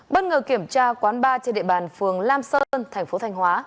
bất ngờ kiểm tra quán ba trên địa bàn phường lam sơn thành phố thanh hóa